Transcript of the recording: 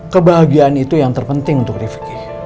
kebahagiaan itu yang terpenting untuk rifki